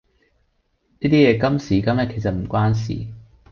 呢啲嘢今時今日其實唔關事